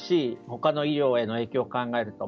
他の医療への影響を考えると。